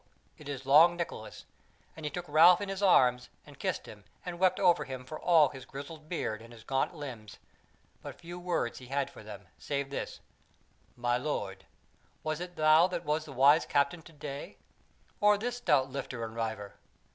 it is Long Nicholas; and he took Ralph in his arms, and kissed him and wept over him for all his grizzled beard and his gaunt limbs; but few words he had for him, save this: "My little Lord, was it thou that was the wise captain to day, or this stout lifter and reiver!"